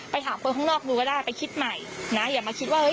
ถามคนข้างนอกดูก็ได้ไปคิดใหม่นะอย่ามาคิดว่าเฮ